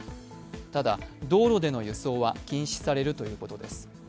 ただ、道路での輸送は禁止されるということです。